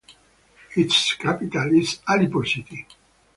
Its capital is Alipur city.